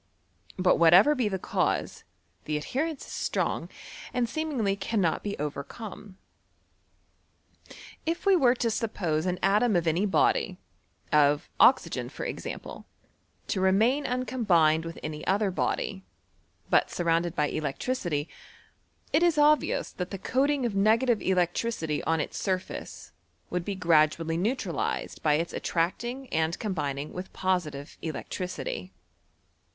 But whatever be tlie cause, the adhe jHon is strong, and seemingly cannot be overcome. If we were to suppose an atom of any body, of oxygen for example, to remain uncombined with any other body, but surrounded by electricity, it is cbvious that the coating of negative electricity <hi its surface would be gradually neutralized by its ati tracdng and combining v^th positive electricity.